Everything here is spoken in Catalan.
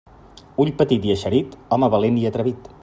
Ull petit i eixerit, home valent i atrevit.